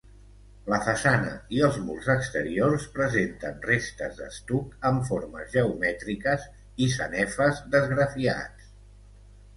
La façana i els murs exteriors presenten restes d'estuc amb formes geomètriques i sanefes d'esgrafiats.